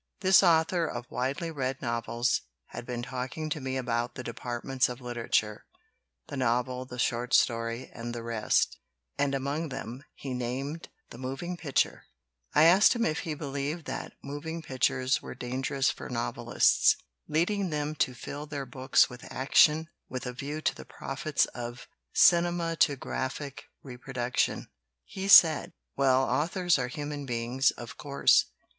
This author of widely read novels had been talking to me about the departments of literature the novel, the short story, and the rest and among them he named the moving picture. I asked him if he believed that moving pictures were dangerous for novelists, leading them to fill their books with action, with a view to the profits of cinematographic reproduction. He said: "Well, authors are human beings, of course.